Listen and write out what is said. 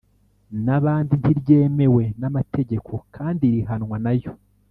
n’abandi ntiryemewe n’amategeko; kandi rihanwa nayo.